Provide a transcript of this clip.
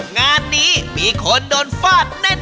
งานนี้มีคนโดนฟาดแน่น